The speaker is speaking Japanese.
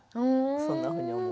そんなふうに思う。